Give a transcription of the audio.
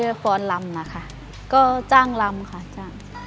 ฟ้อนลำนะคะก็จ้างลำค่ะจ้าง